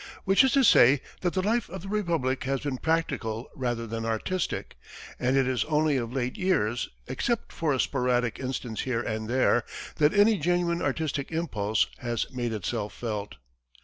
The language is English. Which is to say that the life of the Republic has been practical rather than artistic, and it is only of late years, except for a sporadic instance here and there, that any genuine artistic impulse has made itself felt.